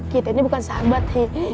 kita ini bukan sahabat